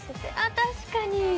確かに。